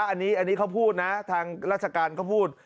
อันนี้เขาพูดนะทางราชการเขาพูด